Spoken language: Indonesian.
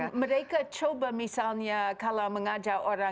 ya tapi dan mereka coba misalnya kalau mengajak orang